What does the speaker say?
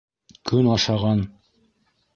Көн ашаған.